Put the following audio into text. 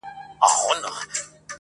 په پای کي شپږمه ورځ هم بې پايلې تېريږي,